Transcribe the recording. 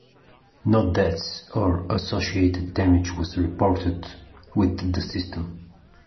No deaths or associated damage was reported with the system.